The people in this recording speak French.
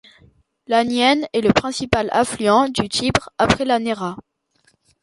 L'Aniene est le principal affluent du Tibre après la Nera.